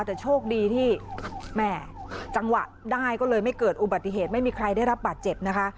แต่โชคดีที่แม่จังหวะได้ก็เลยไม่เกิดอุบัติเหตุไม่มีใครได้รับบาดเจ็บนะคะ